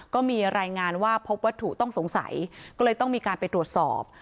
ก็มีรายงานว่าพบวัตถุต้องสงสัยก็เลยต้องมีการไปตรวจสอบ